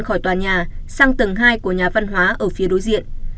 khỏi tòa nhà sang tầng hai của nhà văn hóa ở phía đối diện